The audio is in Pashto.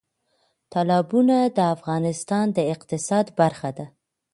تالابونه د افغانستان د اقتصاد برخه ده.